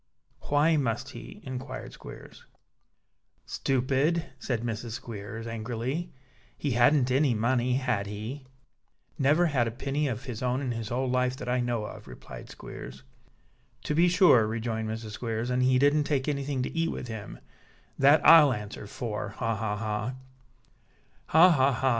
"Why must he?" inquired Squeers. "Stupid!" said Mrs. Squeers, angrily. "He hadn't any money, had he?" "Never had a penny of his own in his whole life, that I know of," replied Squeers. "To be sure," rejoined Mrs. Squeers, "and he didn't take anything to eat with him; that I'll answer for. Ha! ha! ha!" "Ha! ha! ha!"